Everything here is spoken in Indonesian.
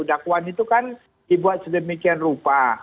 dakwaan itu kan dibuat sedemikian rupa